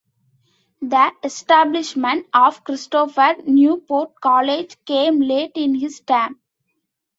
The establishment of Christopher Newport College came late in his term.